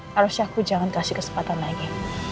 harusnya aku jangan kasih kesempatan lagi